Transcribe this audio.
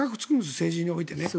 政治においてね。